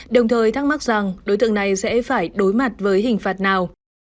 đồng thời thắc mắc rằng đối tượng này sẽ phải đối mặt với hình phạt nào